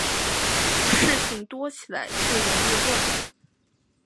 事情多起来就容易乱